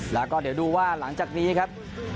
แล้วก็เดี๋ยวดูว่าหลังจากนี้ครับ